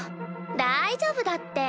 大丈夫だって。